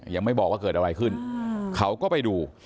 ยังไม่บอกว่าเกิดอะไรขึ้นเขาก็ไปดู